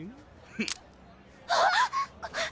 フンあっ！